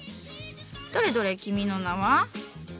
どれどれ君の名は？